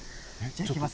いきますよ。